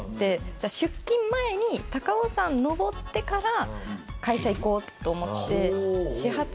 じゃあ出勤前に高尾山登ってから会社行こうと思って。